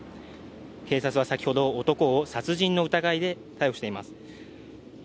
警察は先ほど男を殺人の疑いで逮捕しています。